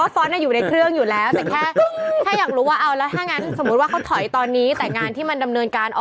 ใช่ทุกคนพูดอย่างนี้เหมือนกัน